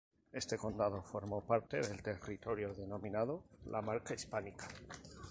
Este condado formó parte del territorio denominado la Marca Hispánica.